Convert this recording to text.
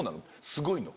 すごいの？